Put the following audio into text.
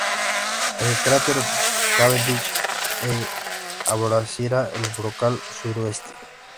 El cráter "Cavendish E' atraviesa el brocal suroeste.